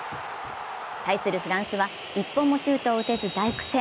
対するフランスは１本もシュートを打てず大苦戦。